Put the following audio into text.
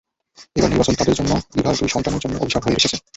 এবারের নির্বাচন তাঁদের জন্য, ইভার দুই সন্তানের জন্য অভিশাপ হয়ে এসেছে।